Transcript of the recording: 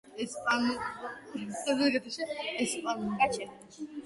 ესპანურენოვანი მოსახლეობის პირველი ქალი წარმომადგენელი სენატში.